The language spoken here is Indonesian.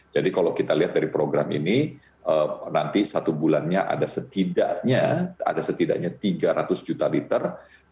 jadi kalau kita lihat dari program ini nanti satu bulannya ada setidaknya tiga ratus juta liter